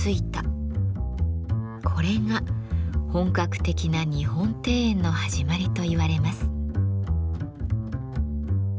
これが本格的な日本庭園の始まりと言われます。